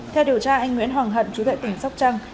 theo điều tra anh nguyễn hoàng hận chú tại tỉnh sóc trăng